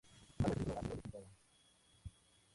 Sin embargo, estos sellos sólo han tenido validez limitada.